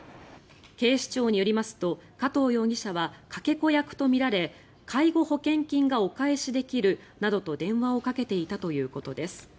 警視庁によりますと加藤容疑者はかけ子役とみられ介護保険金がお返しできるなどと電話をかけていたということです。